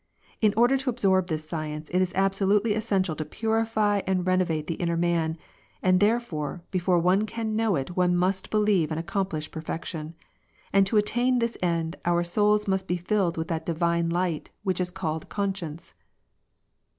In order to absorb this science, it is absolutely essential to purify and ren ovate the inner man, and, therefore, before one can know it one must believe and accomplish perfection. And to attain this end, our souls must be filled with that Divine light which is called conscience."